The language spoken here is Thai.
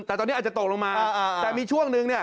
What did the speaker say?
ที่ตอนนี้อาจจะตกลงมาแต่มีช่วงหนึ่ง